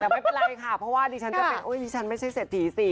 แต่ไม่เป็นไรค่ะเพราะว่าดิฉันจะเป็นดิฉันไม่ใช่เศรษฐีสิ